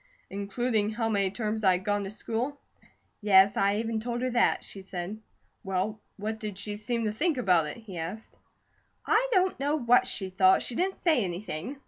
"Including how many terms I'd gone to school?" "Yes, I even told her that," she said. "Well, what did she seem to think about it?" he asked. "I don't know what she thought, she didn't say anything.